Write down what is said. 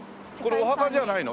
これお墓じゃないの？